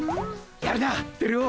やるなテルオ。